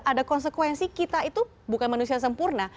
ada konsekuensi kita itu bukan manusia sempurna